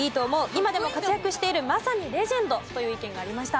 今でも活躍しているまさにレジェンドという意見がありました。